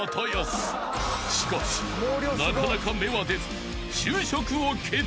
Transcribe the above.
［しかしなかなか芽は出ず］